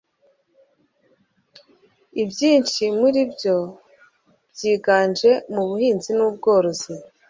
ibyinshi muri byo byiganje mu buhinzi n'ubworozi